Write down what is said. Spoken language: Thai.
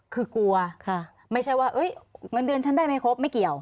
คือกลัวไม่ใช่ว่าเงินเดือนฉันได้ไม่ครบไม่เกี่ยว